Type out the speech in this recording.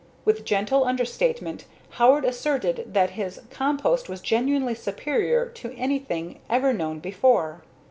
With gentle understatement, Howard asserted that his compost was genuinely superior to anything ever known before.